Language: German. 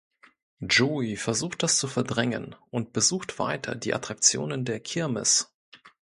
Joey versucht das zu verdrängen und besucht weiter die Attraktionen der Kirmes.